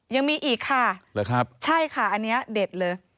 ยังมีอีกค่ะใช่ค่ะอันนี้เด็ดเลย